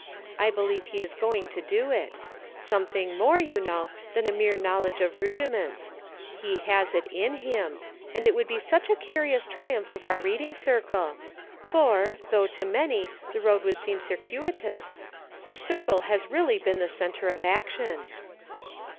I believe he is going to do it ; something more, you know, than a mere knowledge of rudiments. He has it in him, and it would be such a curious triumph of our reading circle ; for, though to many, the road would seem circuitous, the circle has really Veen the centre of action."